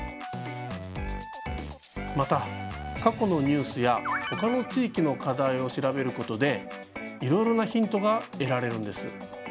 また過去のニュースや他の地域の課題を調べることでいろいろなヒントが得られるんです。